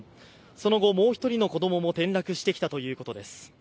その後、もう一人の子供も転落してきたということです。